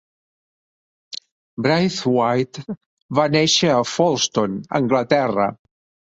Braithwaite va néixer a Folston, Anglaterra.